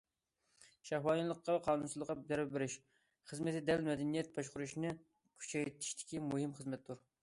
« شەھۋانىيلىققا ۋە قانۇنسىزلىققا زەربە بېرىش» خىزمىتى دەل مەدەنىيەت باشقۇرۇشنى كۈچەيتىشتىكى مۇھىم خىزمەتتۇر.